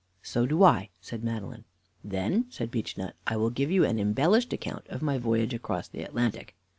"So do I," said Madeline. "Then," said Beechnut, "I will give you an embellished account of my voyage across the Atlantic.